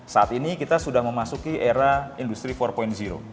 saat ini kita sudah memasuki era industri empat